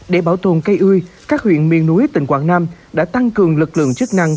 để bảo tồn cây ươi các huyện miền núi tỉnh quảng nam đã tăng cường lực lượng chức năng